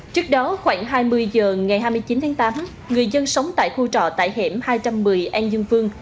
trước đó khoảng hai mươi h ngày hai mươi chín tháng tám người dân sống tại khu trọ tại hẻm hai trăm một mươi an dương phương